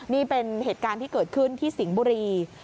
นี่เป็นเหตุการณ์ที่เกิดขึ้นที่สิงห์บุรี